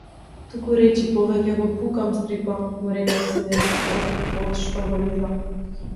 Тукуречи повеќе го пукам, стрико, му рекол Силјан, одошто го ризам.